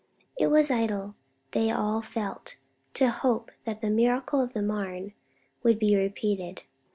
It was idle, they all felt, to hope that the miracle of the Marne would be repeated.